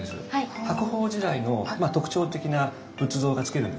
白鳳時代の特徴的な仏像がつけるんですね。